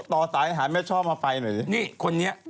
โต่ตายหาแม่ช่อมาไข้หน่อย